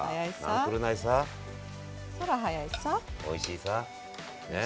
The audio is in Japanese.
おいしいさ。